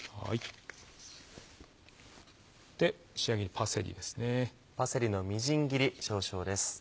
仕上げにパセリですね。